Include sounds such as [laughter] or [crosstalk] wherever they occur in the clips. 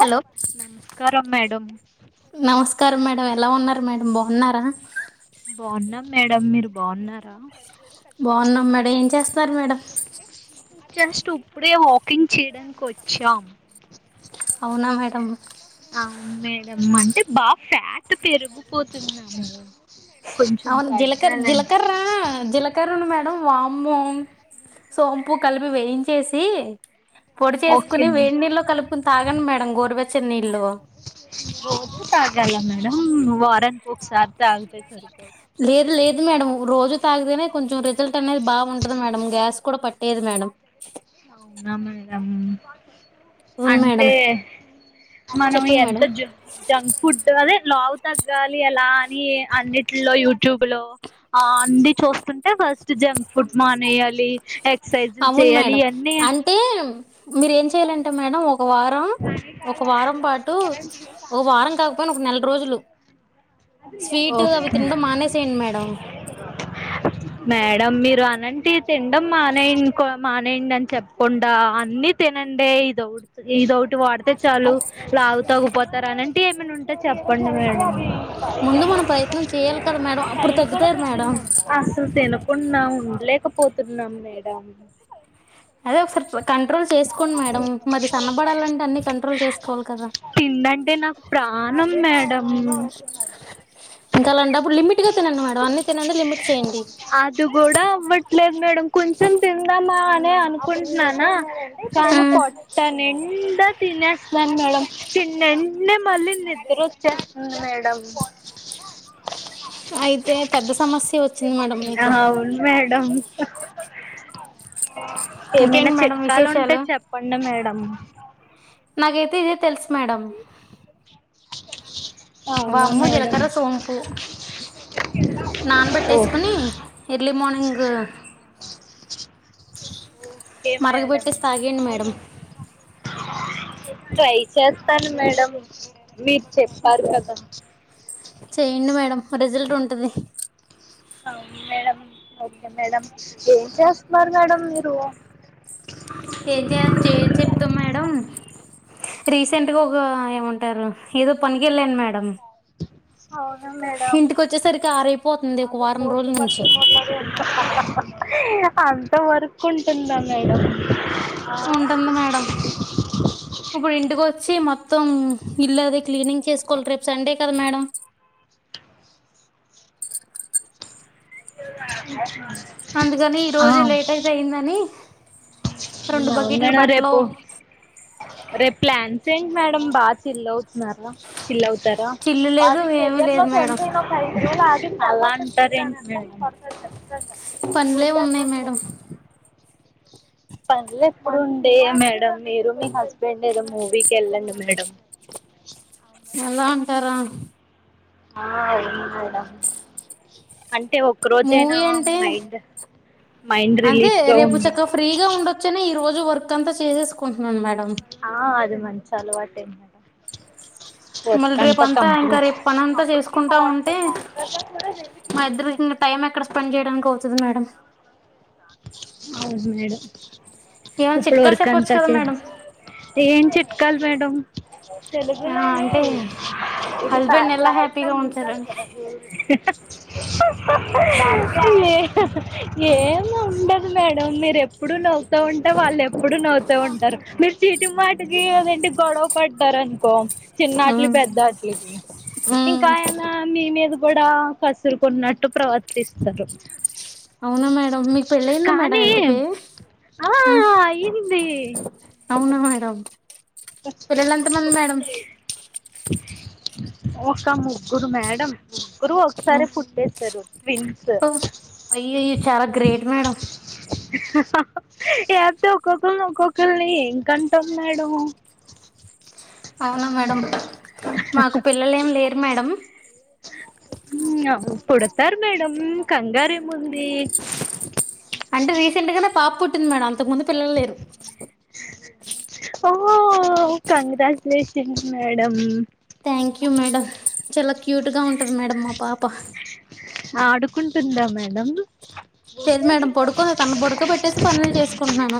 Hello నమస్కారం madam నమస్కారం madam ఎలా ఉన్నారు మేడం బాగున్నారా బాగున్నం మేడం మీరు బాగున్నారా బాగున్నాం మేడం ఏం చేస్తున్నారు మేడం జస్ట్ ఉప్పుడే వాకింగ్ చేయడానికోచ్చాం అవునా మేడమ్ అవును మేడం అంటే బా ఫ్యాట్ పెరిగిపోతుందండి అవును జీలకర్ జీలకర్రా జీలకరను మేడం వామ్మో సోంపు కలిపి వేయించేసి పొడి ఓకే చేసుకుని వేడి నీళ్లో కలుపుకుని తాగండి మేడం గోరువెచ్ రోజు తాగల మేడం వారానికి ఒకసారీ తాగుతే సరిపోత్ లేదు లేదు మేడం రోజు తాగితేనే కొంచెం రిజల్ట్ అనేది బాగుంటది మేడం గ్యాస్ గూడ పట్ లేదు మేడం అవునా మేడం అవును అంటే మేడం మనం చెప్పండి ఎంత మేడం జ జంక్ ఫుడ్ అదే లావు తగ్గాలి ఎలా అని అన్నిట్ లో యూట్యూబ్ లో అ అన్ని చూస్తుంటే ఫస్ట్ జంక్ ఫుడ్స్ మానేయాలి ఏక్ క్ససైజులు అవును చేయాలి మేడం అన్ అంటే మీరేం చెయ్యాలంటే మేడం ఒ ఒక వారం ఒక వారం పాటు ఒ వారం కాకపోయినా ఒక నెల రోజులు స్వీట్ ఓకే అవి తినడం మానేసేయండి మేడం మేడం మీర్ అనంటి తిండమ్ మానెయ్ న్ కో మానేయండి అని చెప్కుండా అన్ని తినండి ఇదవ్ ఇదవ్టి వాడ్ తే చాలు అ- లావు తగ్గుపోతారు అని అలాంటియ్ ఏమైనా ఉంటే చెప్పండి మేడం ముందు మనం ప్రయత్నం చేయాలి కదా మేడం అప్పుడు తగ్గుతారు మేడం అసలు తినకుండా ఉన్ ఉండ్లేకపోతున్నాం మేడం అదే ఒకసారి కంట్రోల్ చేసుకోండ్ మేడం మరి సన్నబడాలంటే అన్నీ కంట్రోల్ చేసుకోవాలి కదా అంటే నాకు ప్రాణం మేడం ఇంకా అలాంటడప్పుడు లిమిట్ గా తినండి మేడం అన్ని తినండి లిమిట్ చేయండి అది కూడ అవ్వట్ మేడం కొంచెం తిందామా అని అనుకుంటున్నానా ఆ కానీ పొట్ట నిండా తినేస్తాను మేడం తిన్నన్నే మళ్ళీ నిద్రోచ్చేస్తుంది మేడం ఫోన్ అయితే పెద్ద సమస్య వచ్చింది మేడం మీకు అవును మేడం హ ఏమైనా ఇంకేంటి మేడం చిట్కాలు ఉంటే విశేషాలు చెప్పండి మేడం నాకైతే తెలుసు మేడం [inaudible] వామ్ము, మేడం జీలకర, సోంపు నానబట్టేసుకొని okay early morning okay madam మరగబెట్టేసి తాగేయండి మేడం ట్రై చేస్తాను మేడం మీరు చెప్పారు కదా ఉంటది అవును మేడం ఓకే మేడం ఏం చేస్తున్నారు మేడం మీరు? ఏంజె ఏది చెప్తాం మేడం. రీసెంట్గా ఒక ఏమంటారు ఏదో పనికి వెళ్ళాను మేడం? అవును మేడం ఇంటికి వచ్చేసరికి ఆరైపోతుంది [inaudible] ఒక వారం రోజుల నుంచి అంత వర్క్ ఉంటుందా మేడం? ఉంటుంది మేడం ఇప్పుడు ఇంటికి వ చ్చి మొత్తం ఇల్లది క్లీనింగ్ చేసుకోవాలి. రేపు సండే కదా మేడం. [inaudible] అందుకని ఈ ఆ రోజే లేట్ అయితే అయిందని రెండు అవును బకెట్లు మేడం బట్టలు రేపు రేపు ప్లాన్స్ ఏంటి మేడం బాగ చిల్ అవుతు చీల్ అవుతారా చిల్లు లేదు ఏమీ లేదు మేడం అలా అంటే మేడం పనులే ఉన్నాయి మేడం పనులు ఎప్పుడుండేయా మేడం మీరు మీ హస్బెండ్ ఏదో మూవీకి వెళ్ళండి మేడం అలా అంటారా? ఆ అవును మేడం అన్ టె ఒక్క రోజైన మూవీ అంటే మైండ్ మైండ్ అదే రిలీఫ్ గా రేపు ఉండదు చక్కగ ఫ్రీగా ఉండొచ్చనే ఈ రోజు వర్క్ అంతా చేసేసుకున్ ఆ అది మంచి అలవాటె మళ్ళీ రేపు అంతా ఇంకా రేపు పని అంతా చేసుకుంటా ఉంటే మా ఇద్దరికింకా టైం ఎక్కడ పని చేయడానికి అవుతది మేడం అవును మేడం ఏమైనా ఇప్పుడు చిట్కాలు వర్క్ అంత చెప్పొచ్చు కదా చేసి మేడం ఏం చిట్కాలు మేడం ఆ తెలుగులోనే అంటే ఇది ఫ హస్బెండ్ ఎలా హ్యాపీగా ఫ్లాటినమ్ ఉంటారు ఉంచాలని కదా. ఏ ఏ ఉండదు మేడం మీరు ఎప్పుడు నవ్వుత ఉంటె వాళ్ళు ఎప్పుడు నవ్వుతూ ఉంటారు. మీరు చి చీటికీ మాటికి అదేంటి గొడవ పడ్తారనుకో చిన్నట్లు పెద్ద ఆటిలకి ఇంకా ఆయనా మీ మీద గొడవ కసురుకున్నట్టు ప్రవర్తిస్తారు. అవునా మేడం మీకు పెళ్ళయిందా మేడం కానీ ఇంతకి ఆ మ్ అయింది అవునా మేడంమ్ పిల్లలు ఎంత మంది మేడం? ఒక ముగ్గురు మేడమ్ ముగ్గురు ఒకసారి పుట్టేసారు ట్విన్స్ వీ చాలా గ్రేట్ మేడం ఏప్తే ఒక్కొక్కరిని ఒక్కొక్కరిని ఏంకంటాం మేడం. అవునా మేడం మాకు పిల్లలు ఏమి లేరు మేడం. మీయుం పుడతారు మేడం కంగారెముంది. అంటే రీసెంట్ గానె పాప పుట్టింది మేడం అంతకు ముందు పిల్లలు లేరు ఓ హో congratulation madam thank you madam చాలా క్యూట్గా ఉంటది మేడం మా పాప ఆడుకుంటుందా మేడం? లేదు మేడం పడుకో తను పడుకో పెట్టేసి పనులు [unintelligible] చేసుకుంటున్నాను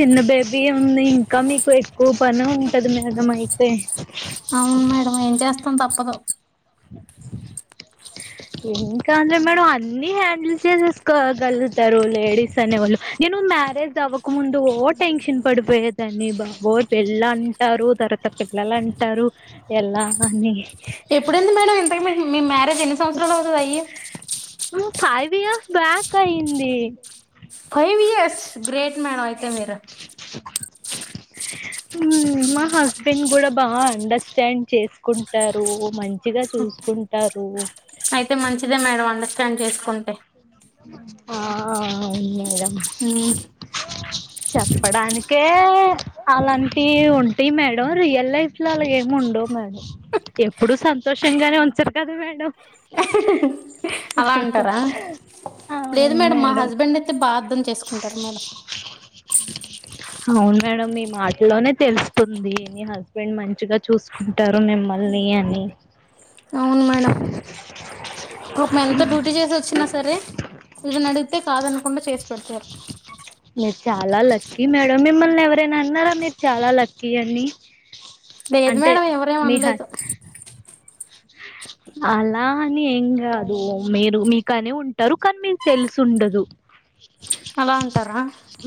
చిన్న బేబీ ఉంది. ఇంకా మీకు ఎక్కువ పని ఉంటది మ్యాగ మై అవును మేడం ఏం చేస్తాం తప్పదు ఇంకా అంద్ర మేడం అన్ని హ్యాండిల్ చేసేసుకోగలుగతరు లేడీస్ అనే వాళ్లు నేను మ మ్యారేజ్ అవ్వకముందు ఓ టెన్షన్ పడిపోయేదని బాబోయ్ పెళ్ళంటారు తరువత పి లలంటారు ఎలా అని ఎప్పుడుంది మేడం ఇంతక్ మీ మ్యారేజ్ ఎన్ని సంవత్సరాలు అవుతది అయ్యి ఫైవ్ ఇయర్స్ బ్యాక్ అయ్యంది ఫైవ్ ఇయర్స్ గ్రేట్ మేడం అయితే మీరు మా హస్బెండ్ కూడా బాగా అండర్స్టాండ్ చేసుకుంటారు మం అయితే మంచిదే మేడం అండర్స్టాండ్ చేసుకుంటే ఆ అవును మేడం ఉమ్. చెప్పడానికే అలాంటియి ఉంటయి మేడం రియల్ లైఫ్ లో అలాగెం ఉండవు మేడం ఎప్పుడు సంతోషంగానే ఉంచరు కదా మేడం అలా అంటారా లేదు మేడం మా హస్బెండ్ అయితే బాగా అర్థం చేసుకుంటారు మేడం అవును మేడం మీ మాటలోనే తెలుస్తుంది మీ హస్బెండ్ మంచిగా చూసుకుంటారు మిమ్మల్ ల్ని అని అవును మేడం పాపం ఎంత డ్యూటీ చేసి వచ్చినా సరే ఏదన్న అడిగితే కాదనకుండా చేస్ పెడుతారు మీరు చాలా లక్కీ మేడం మిమ్మల్ని ఎవరైనా అన్నారా మీరు చాలా లక్కీ అని లేదు అంటే మేడం ఎవరేం మీ హ అనలేదు అలా అని ఏం కాదు మీరు మీకనే ఉంటారు కానీ మీకు తెలిసి ఉండదు అలా అంటారా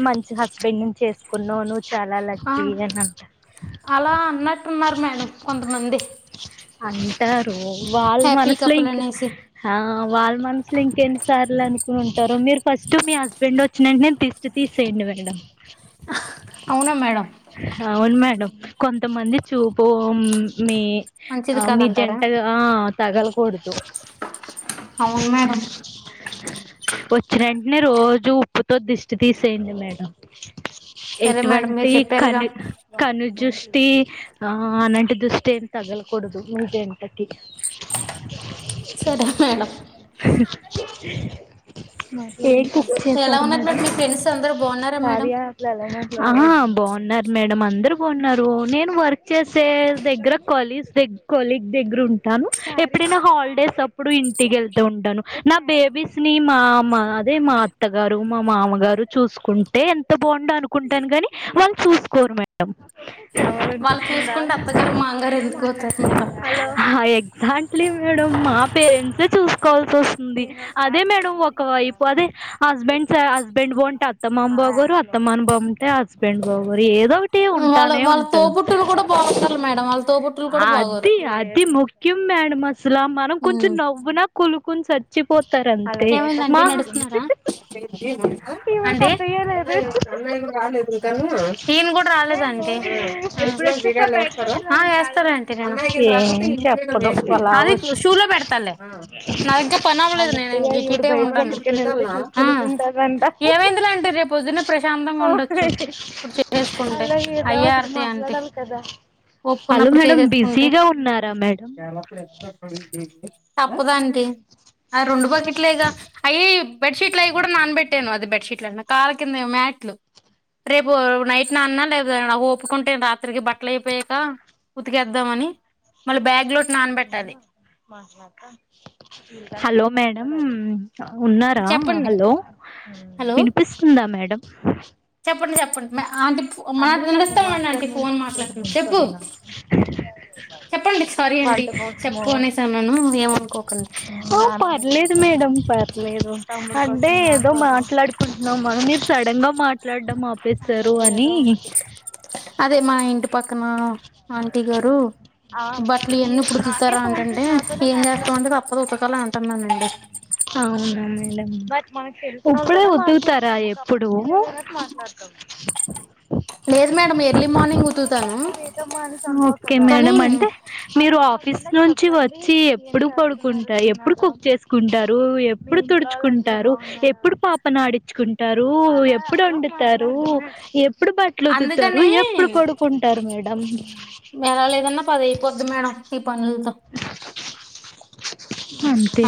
మంచి హస్బెండ్ ను చేసుకున్నవ్ నువ్ ఆ అలా అన్నట్టున్నారు మేడం కొంతమంది అంటారు వాళ్ళ హ్యాపీ మనసులో కపుల్ ఇంకా అనేసి ఆ వాళ్ళ మనసులో ఇంకెన్నిసార్లన్ కుంటారు మీరు ఫస్ట్ మీ హస్బెండ్ వచ్చినవెంటేనే దిష్టి తీసేయండి మేడం అవునా మేడం అవును మేడం కొంతమంది చూపు మ్ మీ మంచిది ఆ మీ కాదంటారా జంటగా ఆ తగలకూడదు అవును మేడం వచ్చినేంటనే రోజు ఉప్పుతో దిష్టి తీసేయండి మేడం సరే మేడం మీరు ఎటువంటి చెప్పారుగా కను కనుజుస్ ష్టి ఆ అనంటి దృష్టేం తగలకుడదు మీ జంటకి సరే మేడం మరి ఏం కుక్ ఎలా చేసారు ఉన్నారు మేడం మీ ఫ్రెండ్స్ అందరు బాగున్నారా మేడం ఆహ బాగున్నారు మేడం అందరు బాగున్నారు నేను వర్క్ చేసే దగ్గర కొలీగ్ కొలీగ్ దగ్గర ఉంటాను ఎప్పుడైనా హాలిడేస్ అప్పుడు ఇంటికేళ్తూ ఉంటాను నా బే బీస్ ని మా మ్మ అదే మా అత్తగారు మా మామగారు చూసుకుంటే ఎంత బాగుండో అనుకుంటాను గాని వాళ్ళు చూసుకోరు మేడం వాళ్ళు చూసుకుంటే అత్తగారు మామగారు ఎందుకు అవుతారు మేడం హలో హాయ్ లేం మేడం మా పేరెంట్సే చూసుకోవాల్సి వస్తుంది అదే మేడం ఒక వైపు అదే ఆ హస్బెండ్స్ స హస్బెండ్ బాగుంటే అత్తమామ బాగోరు అత్తమామ బాగుంటే హస్బెండ్ బాగోరు ఏదో ఒకట్ టి వాళ్ళ అంటానే వాళ్ళ ఉంటది తోబుట్టులు కూడా బాగుంటారు మేడం వాళ్ళ తోబుట్టులు కూడా బాగోరు అది అది ముక్ ఖ్యం మేడం అసలా మనం కొంచెం ఉమ్ నవ్వినా కుళ్ళుకొని చచ్చిపోత్. తంతే మా. ఏమైందండి అంటే నేను కూడా రాలేదు ఆంటీ. అ వేస్తారతర్ ఆంటీ ఏం చెప్పదు అలా అది వచ్చి షూలో పెడుతాలే నది ఇంక పనివలేదు నేను ఈ కిటే ఉంటను ఏమైందిలే ఆంటీ రేపు పొద్దున్న ప్రశాంతంగా ఉండచ్చు ఇప్పుడు చేపూలేసుకుంటే అయ్యర్తి ఆంటీ హలో ఒప్పుకున్నప్పుడు మేడం చేసేసుకుంటే బిజీగా ఉన్నారా మేడం. తప్పదు ఆంటీ ఆ రెండు బాకిట్లేగ అయ్యేయె. బెడ్శీట్లు అవి కూడా నాన్బెట్టాను అది బెడ్షీట్ల అంటున్న కళ్ళ కింద మ్యాట్లు. రేపు నైట్ నాన్న లేదా నా ఒప్పుకుంటే రాత్రికి బట్టలు అయిపోయాక. ఉతికేద్దామని మళ్ళీ బ్యాగ్ లో. Hello madam. ఆహ్ ఉన్నారా చెప్పండి హలో హలో వినిపిస్తుందా మేడం. చెప్పండి చెప్పండి ఆంటీ మన వినిపిస్తుంది అండి ఆంటీ ఫోన్ మాట్లాడుతున్నా చెప్పు. చెప్పండి సారీ అండి చెప్పు అనేసెసాన్ను ఏమనుకోకండి. ఆహ్ పర్లేదు మేడం పర్లేదు అదే ఎదో మాట్లాడుకుంటు. అమ్మా మీరు సడన్ గా మాట్లాడం ఆపేస్తారు అని. అదే మా ఇంటి పక్కన ఆంటీ గారు. బట్లు ఇయాన్నీ ఎపుడు ఉతుకుతారు అంటుంటే ఏం చేస్తామండి తప్పదు ఉతకలే అంట్. అన్నానండి. అవున మేడం ఇప్పుడే ఉతుకుతారా ఎప్పుడు. లేదు మేడమ్ ఎర్లీ మార్నింగ్ ఉతుకు. ఓకే మేడం అంటే మీరు ఆఫీస్. ఆఫిస్ నుంచి వచ్చి ఎప్పుడు పడుకుంటారు ఎప్పుడు కుక్ చేసుకుంటారు ఎప్పుడు తుడుచుకుంటారు. ఎప్పుడు పాపనడించుకుంటారు ఎప్పుడు వండుతారు ఎప్. ఎప్పుడు బట్టలుఉతుకుతారు ఎప్పుడు పడుకుంట. ఎడ లేదన్న పది అయిపోద్ది మేడం ఈ పనులతో.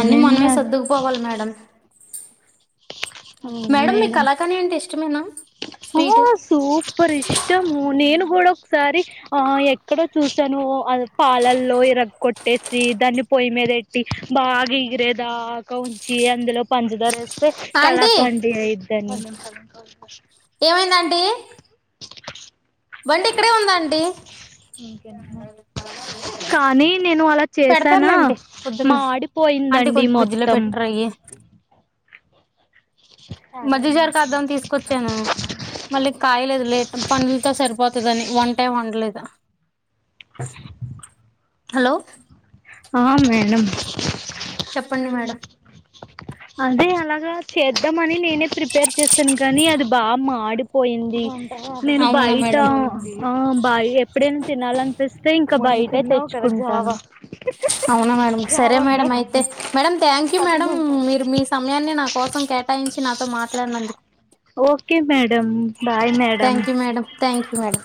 అన్ని మనమే సర్దుకుపోవాలి మేడం. మేడం మీకు కళాకని అంటే ఇష్టమేనా. హొ స్వీట్ సూపర్ ఇష్టము నేను. కూడా ఒకసారి ఆహ్ ఎక్కడో చూసాను అది పాలల్లో ఇరగ్కొట్టేసి దాన్ని. పొయ్యి మీద ఎట్టి బాగా ఇగిరే దాకా ఉంచి అందులో పంచదర ఏసి. స్తే ఆంటీ కళాఖండీ అయిది అని. ఏమైంది ఆంటీ. బండి ఇక్కడే ఉంది ఆంటీ. కానీ నేను అలా పెడతారులే చేసానా అంటి పొద్దున్నే. అంటి మాడిపోయిందండి కొంచం ఫ్రిడ్జ్ లో మొత్తం పెట్టారా ఇయి. మాజీగజర్ కదం అని తీసుకొచ్చాను మళ్ళీ కాయలేదు లేట్ పనులతో సరిపోత. గాని వంట ఏం వండలేదు. హలో ఆహ్ మేడం. చెప్పండి మేడం. అంటే అలాగా చేద్దాంమని నేనే ప్రిపేర్ చేశాను కానీ అది. బాగా మాడిపోయింది. నేను అవునా బయట మేడం ఆహ్ బయట ఎప్పుడైనా తినాలనిపిస్తే ఇంకా బయటె తెచ్చుకుం. అవునా మేడం సరే మేడం అయితే మేడం థ్యాంక్యూ మేడం మీ. మీరు మీ సమయాన్ని నా కోసం కేటాయించి నాతో మాట్లాడినందుకు. Okay madam. Bye madam thank you madam thank you madam.